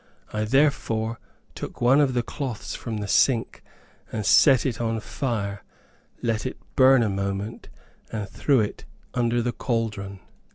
I therefore took one of the cloths from the sink, and set it on fire, let it burn a moment, and threw it under the caldron.